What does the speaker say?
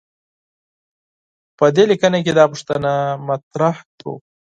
په دې لیکنه کې دا پوښتنه مطرح کوو.